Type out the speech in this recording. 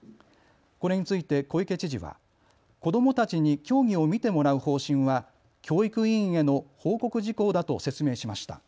これについて小池知事は、子どもたちに競技を見てもらう方針は教育委員への報告事項だと説明しました。